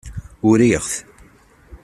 Uriɣ-t.